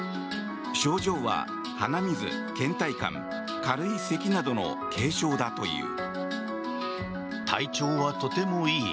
症状は鼻水、けん怠感軽いせきなどの軽症だという。